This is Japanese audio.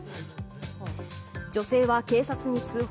女性は警察に通報。